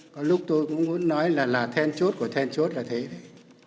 có lúc tôi cũng muốn nói là là then chốt của then chốt là thế đấy